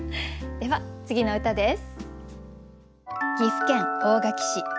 では次の歌です。